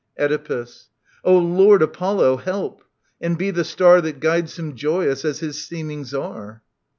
Oedipus. O Lord Apollo, help ! And be the star That guides him joyous as his seemings are